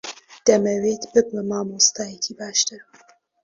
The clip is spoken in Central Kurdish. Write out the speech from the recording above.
دەمەوێت ببمە مامۆستایەکی باشتر.